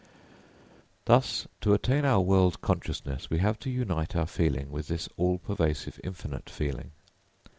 Thus to attain our world consciousness, we have to unite our feeling with this all pervasive infinite feeling.